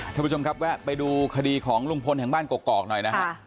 ท่านผู้ชมครับแวะไปดูคดีของลุงพลแห่งบ้านกอกหน่อยนะฮะ